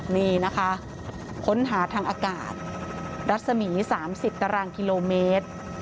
นี่นะคะค้นหาทางอากาศรัศมี๓๐ตารางกิโลเมตร